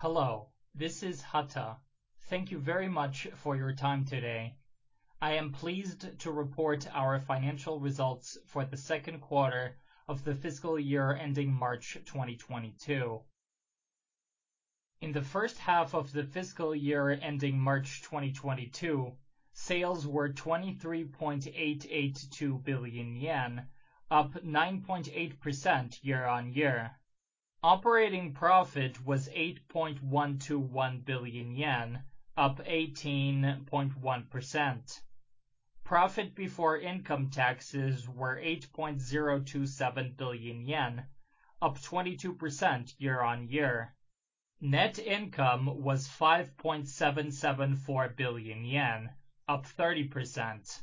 Hello, this is Hata. Thank you very much for your time today. I am pleased to report our financial results for the second quarter of the fiscal year ending March 2022. In the first half of the fiscal year ending March 2022, sales were 23.882 billion yen, up 9.8% year-on-year. Operating profit was 8.121 billion yen, up 18.1%. Profit before income taxes were 8.027 billion yen, up 22% year-on-year. Net income was 5.774 billion yen, up 30%.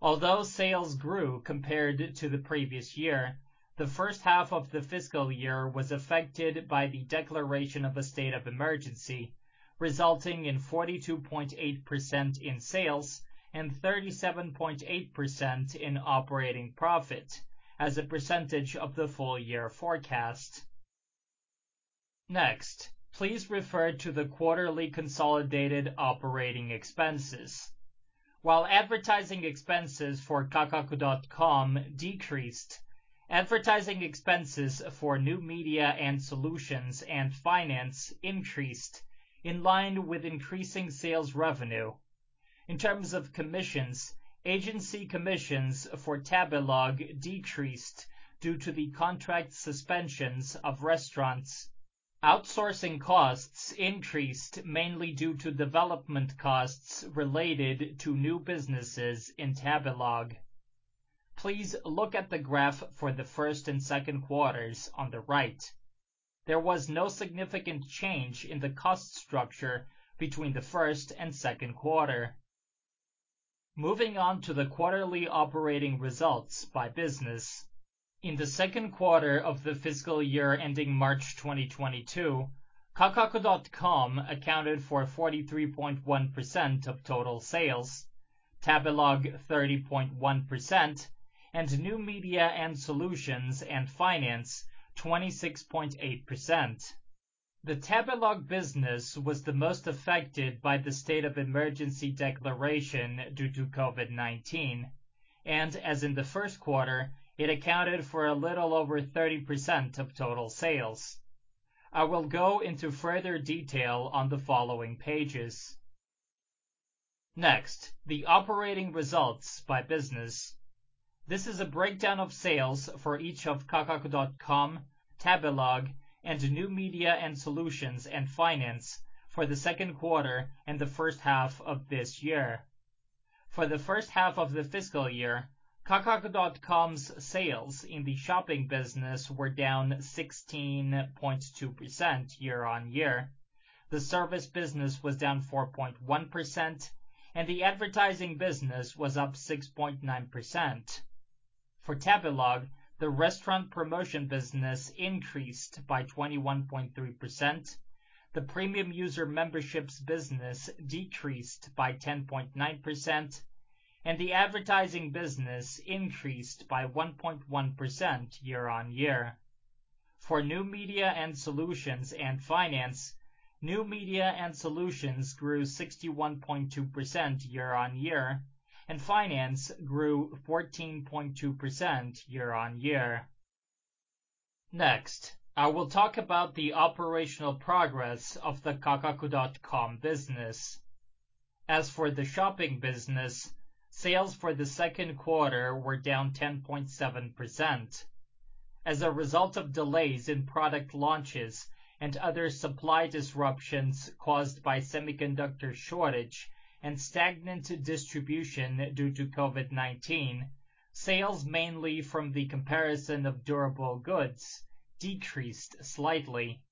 Although sales grew compared to the previous year, the first half of the fiscal year was affected by the declaration of a state of emergency, resulting in 42.8% in sales and 37.8% in operating profit as a percentage of the full year forecast. Next, please refer to the quarterly consolidated operating expenses. While advertising expenses for Kakaku.com decreased, advertising expenses for New Media & Solutions and Finance increased in line with increasing sales revenue. In terms of commissions, agency commissions for Tabelog decreased due to the contract suspensions of restaurants. Outsourcing costs increased mainly due to development costs related to new businesses in Tabelog. Please look at the graph for the first and second quarters on the right. There was no significant change in the cost structure between the first and second quarter. Moving on to the quarterly operating results by business. In the second quarter of the fiscal year ending March 2022, Kakaku.com accounted for 43.1% of total sales, Tabelog 30.1%, and New Media & Solutions and Finance 26.8%. The Tabelog business was the most affected by the state of emergency declaration due to COVID-19, and as in the first quarter, it accounted for a little over 30% of total sales. I will go into further detail on the following pages. Next, the operating results by business. This is a breakdown of sales for each of Kakaku.com, Tabelog, and New Media & Solutions and Finance for the second quarter and the first half of this year. For the first half of the fiscal year, Kakaku.com's sales in the shopping business were down 16.2% year-on-year, the service business was down 4.1%, and the advertising business was up 6.9%. For Tabelog, the restaurant promotion business increased by 21.3%, the premium user memberships business decreased by 10.9%, and the advertising business increased by 1.1% year-on-year. For New Media & Solutions and Finance, New Media & Solutions grew 61.2% year-on-year, and Finance grew 14.2% year-on-year. Next, I will talk about the operational progress of the Kakaku.com business. As for the shopping business, sales for the second quarter were down 10.7%. As a result of delays in product launches and other supply disruptions caused by semiconductor shortage and stagnant distribution due to COVID-19, sales mainly from the comparison of durable goods decreased slightly.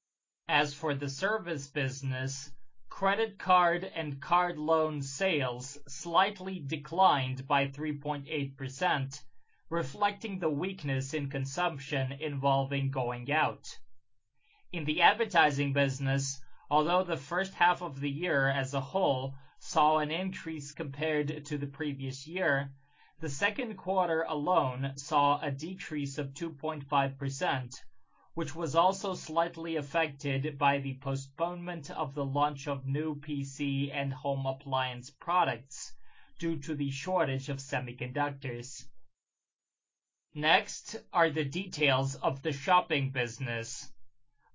As for the service business, credit card and card loan sales slightly declined by 3.8%, reflecting the weakness in consumption involving going out. In the advertising business, although the first half of the year as a whole saw an increase compared to the previous year, the second quarter alone saw a decrease of 2.5%, which was also slightly affected by the postponement of the launch of new PC and home appliance products due to the shortage of semiconductors. Next are the details of the shopping business.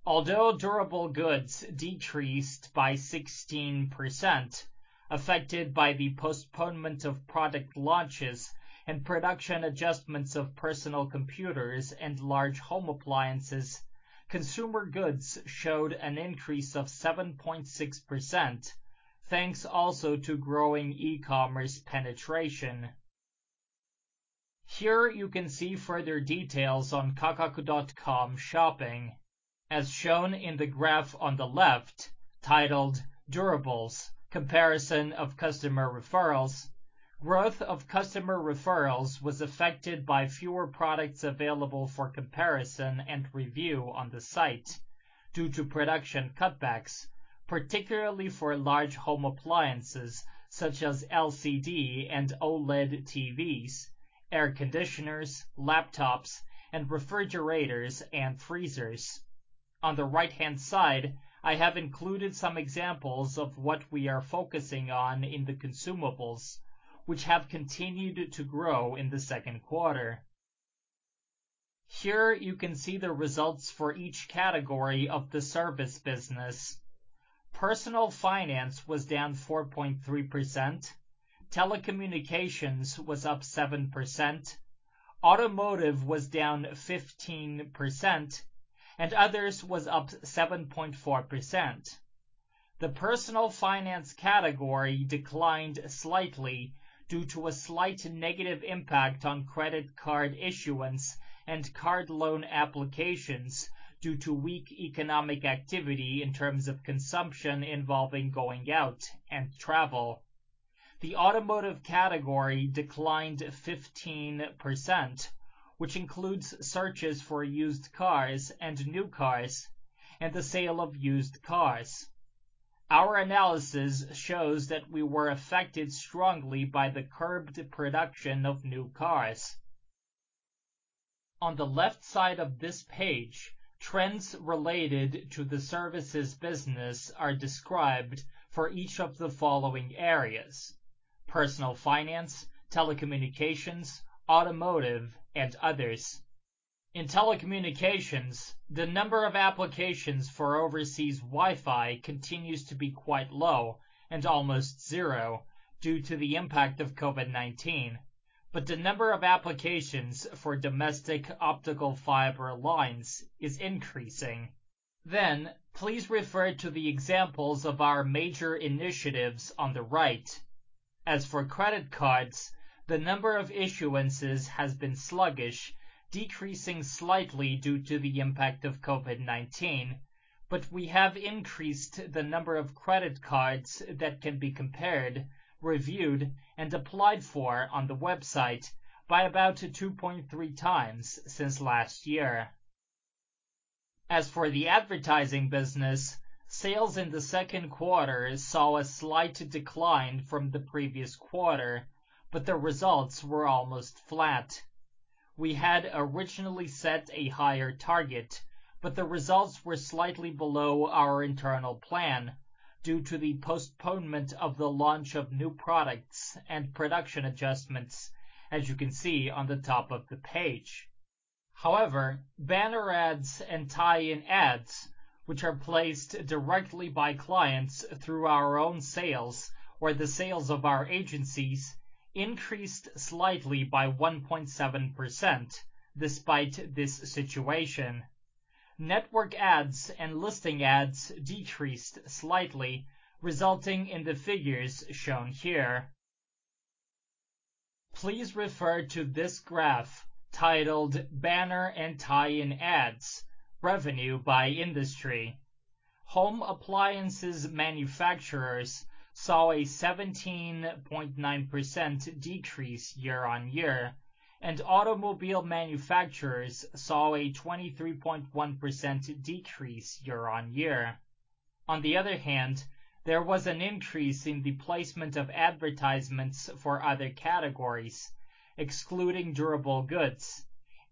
Although durable goods decreased by 16%, affected by the postponement of product launches and production adjustments of personal computers and large home appliances, consumer goods showed an increase of 7.6%, thanks also to growing e-commerce penetration. Here you can see further details on Kakaku.com shopping. As shown in the graph on the left, titled Durables: Comparison of Customer Referrals, growth of customer referrals was affected by fewer products available for comparison and review on the site due to production cutbacks, particularly for large home appliances such as LCD and OLED TVs, air conditioners, laptops, and refrigerators and freezers. On the right-hand side, I have included some examples of what we are focusing on in the consumables, which have continued to grow in the second quarter. Here you can see the results for each category of the service business. Personal finance was down 4.3%, telecommunications was up 7%, automotive was down 15%, and others was up 7.4%. The personal finance category declined slightly due to a slight negative impact on credit card issuance and card loan applications due to weak economic activity in terms of consumption involving going out and travel. The automotive category declined 15%, which includes searches for used cars and new cars and the sale of used cars. Our analysis shows that we were affected strongly by the curbed production of new cars. On the left side of this page, trends related to the services business are described for each of the following areas, personal finance, telecommunications, automotive, and others. In telecommunications, the number of applications for overseas Wi-Fi continues to be quite low and almost zero due to the impact of COVID-19. The number of applications for domestic optical fiber lines is increasing. Please refer to the examples of our major initiatives on the right. As for credit cards, the number of issuances has been sluggish, decreasing slightly due to the impact of COVID-19. We have increased the number of credit cards that can be compared, reviewed, and applied for on the website by about 2.3x since last year. As for the advertising business, sales in the second quarter saw a slight decline from the previous quarter, but the results were almost flat. We had originally set a higher target, but the results were slightly below our internal plan due to the postponement of the launch of new products and production adjustments, as you can see on the top of the page. However, banner ads and tie-in ads, which are placed directly by clients through our own sales or the sales of our agencies, increased slightly by 1.7% despite this situation. Network ads and listing ads decreased slightly, resulting in the figures shown here. Please refer to this graph titled Banner and Tie-In Ads, Revenue by Industry. Home appliances manufacturers saw a 17.9% decrease year-on-year, and automobile manufacturers saw a 23.1% decrease year-on-year. On the other hand, there was an increase in the placement of advertisements for other categories, excluding durable goods.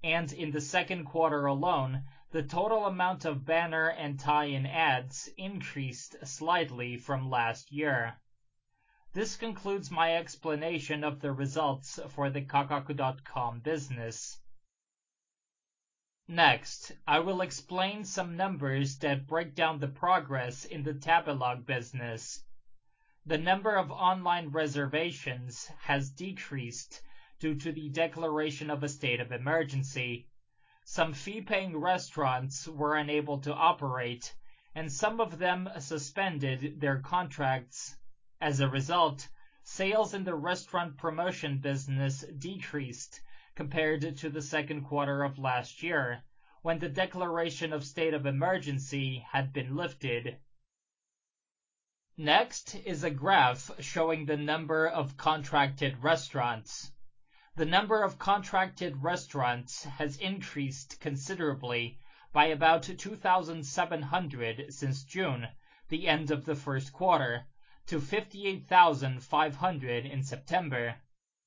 In the second quarter alone, the total amount of banner and tie-in ads increased slightly from last year. This concludes my explanation of the results for the Kakaku.com business. Next, I will explain some numbers that break down the progress in the Tabelog business. The number of online reservations has decreased due to the declaration of a state of emergency. Some fee-paying restaurants were unable to operate, and some of them suspended their contracts. As a result, sales in the restaurant promotion business decreased compared to the second quarter of last year when the declaration of state of emergency had been lifted. Next is a graph showing the number of contracted restaurants. The number of contracted restaurants has increased considerably by about 2,700 since June, the end of the first quarter, to 58,500 in September.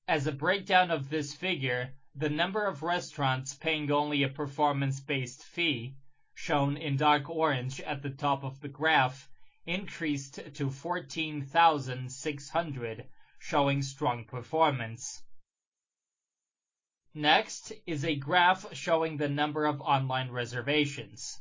As a breakdown of this figure, the number of restaurants paying only a performance-based fee, shown in dark orange at the top of the graph, increased to 14,600, showing strong performance. Next is a graph showing the number of online reservations.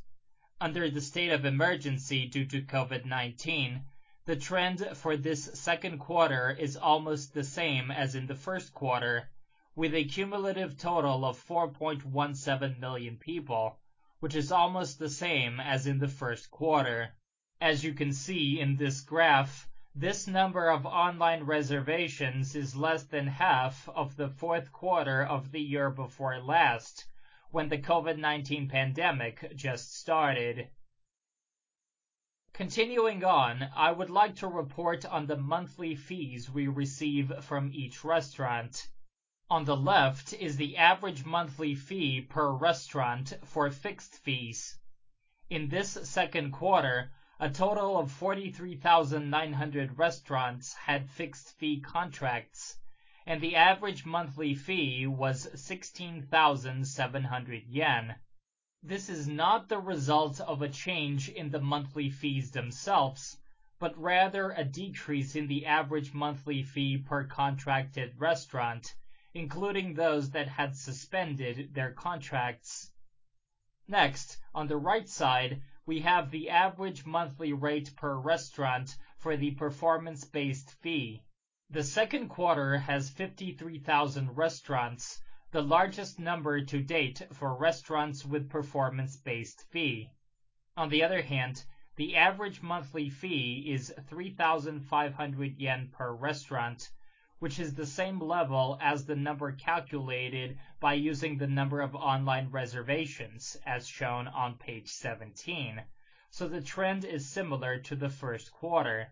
Under the state of emergency due to COVID-19, the trend for this second quarter is almost the same as in the first quarter, with a cumulative total of 4.17 million people, which is almost the same as in the first quarter. As you can see in this graph, this number of online reservations is less than half of the fourth quarter of the year before last when the COVID-19 pandemic just started. Continuing on, I would like to report on the monthly fees we receive from each restaurant. On the left is the average monthly fee per restaurant for fixed fees. In this second quarter, a total of 43,900 restaurants had fixed-fee contracts, and the average monthly fee was 16,700 yen. This is not the result of a change in the monthly fees themselves, but rather a decrease in the average monthly fee per contracted restaurant, including those that had suspended their contracts. Next, on the right side, we have the average monthly rate per restaurant for the performance-based fee. The second quarter has 53,000 restaurants, the largest number to date for restaurants with performance-based fee. On the other hand, the average monthly fee is 3,500 yen per restaurant, which is the same level as the number calculated by using the number of online reservations as shown on page 17, so the trend is similar to the first quarter.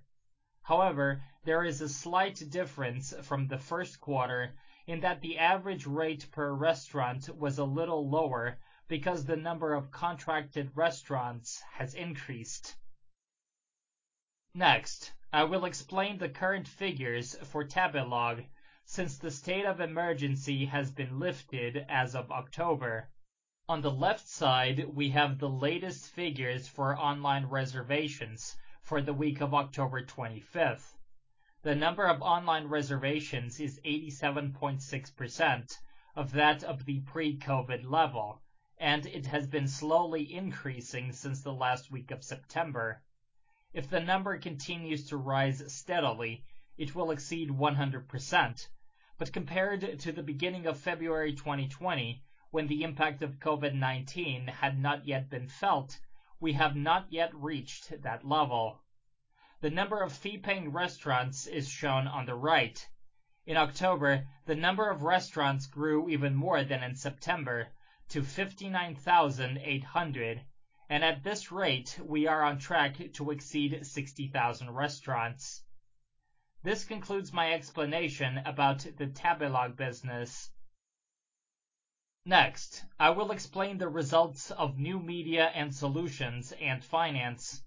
However, there is a slight difference from the first quarter in that the average rate per restaurant was a little lower because the number of contracted restaurants has increased. Next, I will explain the current figures for Tabelog since the state of emergency has been lifted as of October. On the left side, we have the latest figures for online reservations for the week of October 25. The number of online reservations is 87.6% of that of the pre-COVID level, and it has been slowly increasing since the last week of September. If the number continues to rise steadily, it will exceed 100%. But compared to the beginning of February 2020, when the impact of COVID-19 had not yet been felt, we have not yet reached that level. The number of fee-paying restaurants is shown on the right. In October, the number of restaurants grew even more than in September to 59,800, and at this rate, we are on track to exceed 60,000 restaurants. This concludes my explanation about the Tabelog business. Next, I will explain the results of New Media & Solutions and Finance.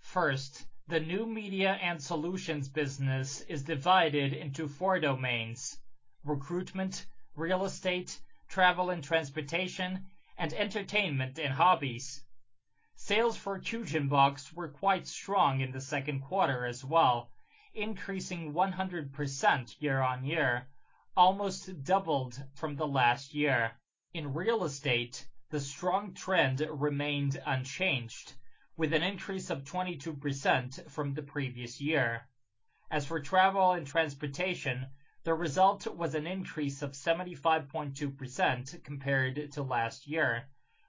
First, the New Media & Solutions business is divided into four domains, recruitment, real estate, travel and transportation, and entertainment and hobbies. Sales for Kyujin Box were quite strong in the second quarter as well, increasing 100% year-on-year, almost doubled from the last year. In real estate, the strong trend remained unchanged, with an increase of 22% from the previous year. As for travel and transportation, the result was an increase of 75.2% compared to last year,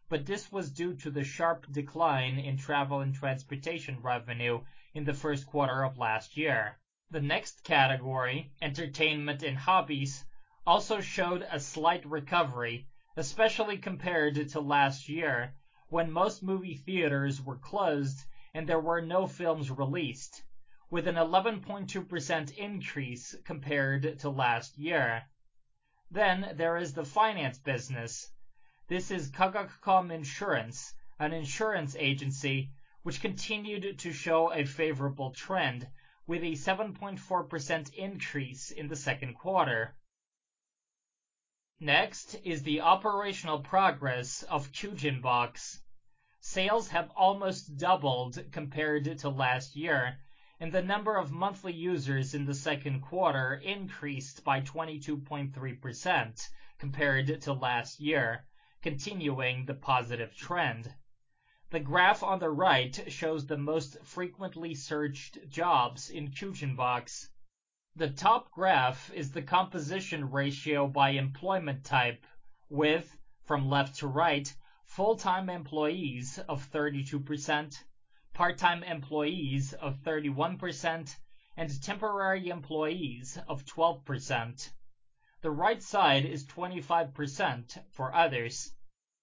but this was due to the sharp decline in travel and transportation revenue in the first quarter of last year. The next category, entertainment and hobbies, also showed a slight recovery, especially compared to last year when most movie theaters were closed and there were no films released, with an 11.2% increase compared to last year. There is the finance business. This is Kakaku.com Insurance, an insurance agency, which continued to show a favorable trend with a 7.4% increase in the second quarter. Next is the operational progress of Kyujin Box. Sales have almost doubled compared to last year, and the number of monthly users in the second quarter increased by 22.3% compared to last year, continuing the positive trend. The graph on the right shows the most frequently searched jobs in Kyujin Box. The top graph is the composition ratio by employment type with, from left to right, full-time employees of 32%, part-time employees of 31%, and temporary employees of 12%. The right side is 25% for others.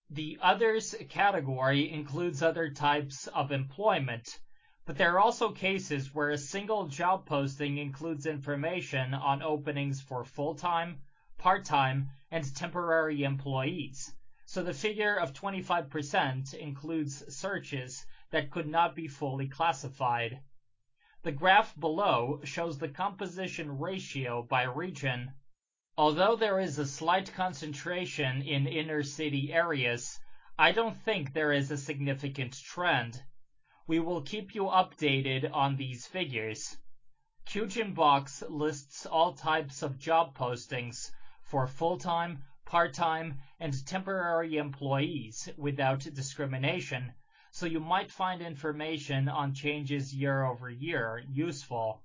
The others category includes other types of employment, but there are also cases where a single job posting includes information on openings for full-time, part-time, and temporary employees. The figure of 25% includes searches that could not be fully classified. The graph below shows the composition ratio by region. Although there is a slight concentration in inner-city areas, I don't think there is a significant trend. We will keep you updated on these figures. Kyujin Box lists all types of job postings for full-time, part-time, and temporary employees without discrimination, so you might find information on changes year-over-year useful.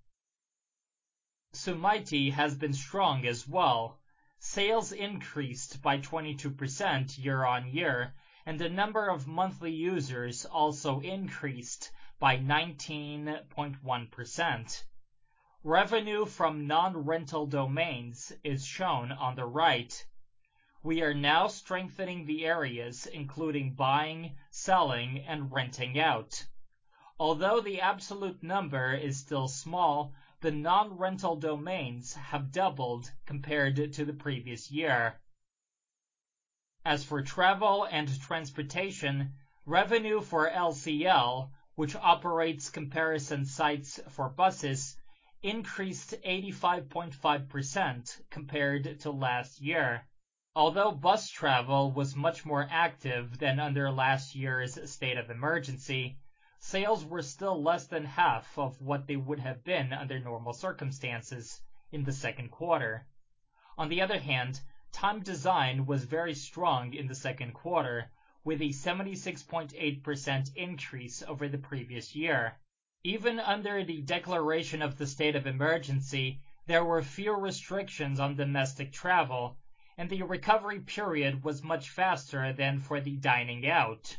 Sumaity has been strong as well. Sales increased by 22% year-on-year, and the number of monthly users also increased by 19.1%. Revenue from non-rental domains is shown on the right. We are now strengthening the areas including buying, selling, and renting out. Although the absolute number is still small, the non-rental domains have doubled compared to the previous year. As for travel and transportation, revenue for LCL, which operates comparison sites for buses, increased 85.5% compared to last year. Although bus travel was much more active than under last year's state of emergency, sales were still less than half of what they would have been under normal circumstances in the second quarter. On the other hand, Time Design was very strong in the second quarter, with a 76.8% increase over the previous year. Even under the declaration of the state of emergency, there were few restrictions on domestic travel, and the recovery period was much faster than for the dining out.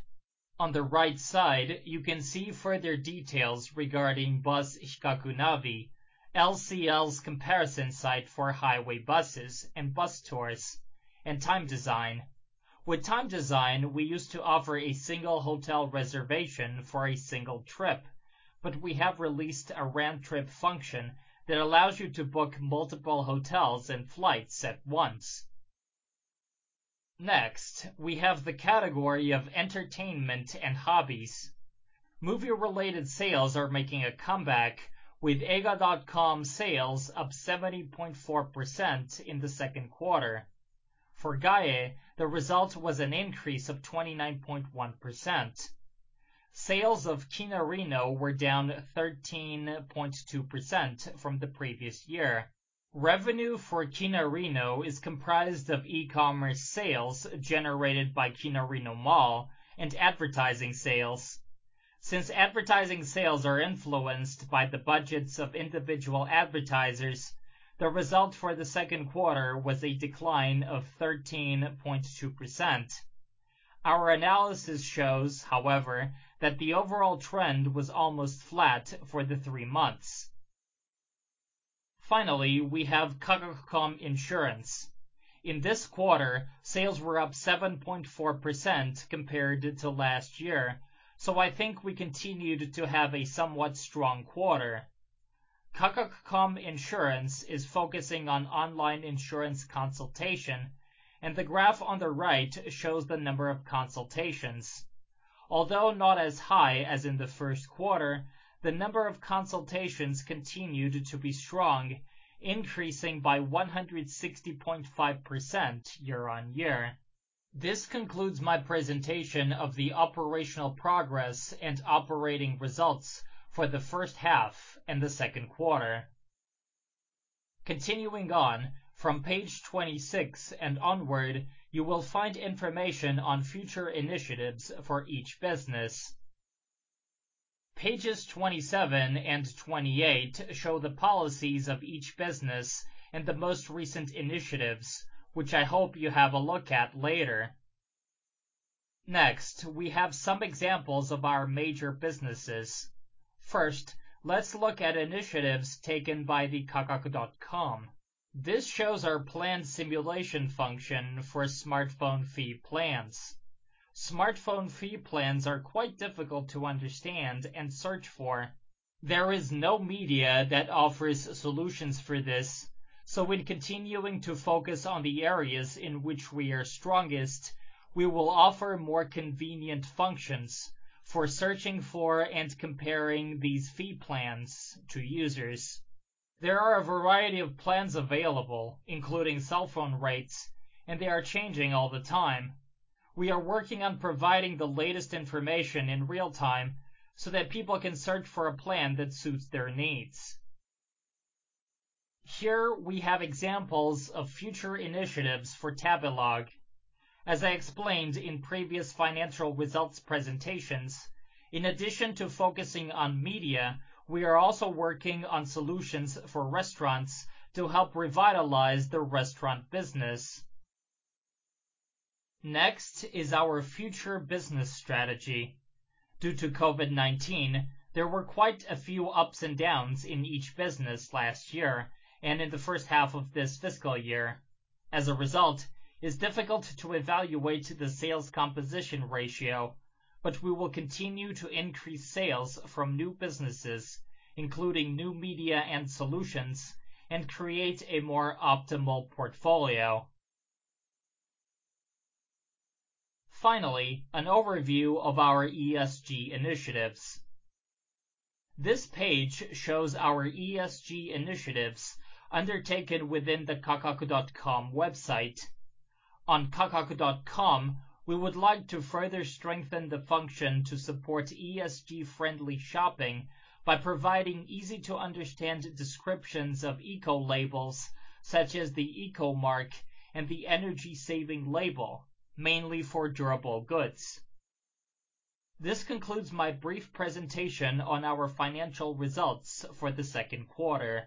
On the right side, you can see further details regarding Bus Hikaku Navi, LCL's comparison site for highway buses and bus tours, and Time Design. With Time Design, we used to offer a single hotel reservation for a single trip, but we have released a round trip function that allows you to book multiple hotels and flights at once. Next, we have the category of entertainment and hobbies. Movie-related sales are making a comeback, with eiga.com sales up 70.4% in the second quarter. For gaie, the result was an increase of 29.1%. Sales of Kinarino were down 13.2% from the previous year. Revenue for Kinarino is comprised of e-commerce sales generated by Kinarino Mall and advertising sales. Since advertising sales are influenced by the budgets of individual advertisers, the result for the second quarter was a decline of 13.2%. Our analysis shows, however, that the overall trend was almost flat for the three months. Finally, we have Kakaku.com Insurance. In this quarter, sales were up 7.4% compared to last year, so I think we continued to have a somewhat strong quarter. Kakaku.com Insurance is focusing on online insurance consultation, and the graph on the right shows the number of consultations. Although not as high as in the first quarter, the number of consultations continued to be strong, increasing by 160.5% year-on-year. This concludes my presentation of the operational progress and operating results for the first half and the second quarter. Continuing on, from page 26 and onward, you will find information on future initiatives for each business. Pages 27 and 28 show the policies of each business and the most recent initiatives, which I hope you have a look at later. Next, we have some examples of our major businesses. First, let's look at initiatives taken by Kakaku.com. This shows our planned simulation function for smartphone fee plans. Smartphone fee plans are quite difficult to understand and search for. There is no media that offers solutions for this, so in continuing to focus on the areas in which we are strongest, we will offer more convenient functions for searching for and comparing these fee plans to users. There are a variety of plans available, including cell phone rates, and they are changing all the time. We are working on providing the latest information in real time so that people can search for a plan that suits their needs. Here we have examples of future initiatives for Tabelog. As I explained in previous financial results presentations, in addition to focusing on media, we are also working on solutions for restaurants to help revitalize the restaurant business. Next is our future business strategy. Due to COVID-19, there were quite a few ups and downs in each business last year and in the first half of this fiscal year. As a result, it's difficult to evaluate the sales composition ratio, but we will continue to increase sales from new businesses, including New Media & Solutions, and create a more optimal portfolio. Finally, an overview of our ESG initiatives. This page shows our ESG initiatives undertaken within the Kakaku.com website. On Kakaku.com, we would like to further strengthen the function to support ESG-friendly shopping by providing easy-to-understand descriptions of eco labels such as the Eco Mark and the Energy Saving Label, mainly for durable goods. This concludes my brief presentation on our financial results for the second quarter.